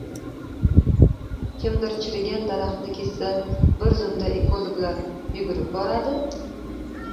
Kimdir chirigan daraxtni kessa, bir zumda ekologlar yugurib boradi?